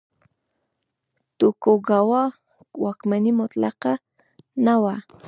توکوګاوا واکمني مطلقه نه وه.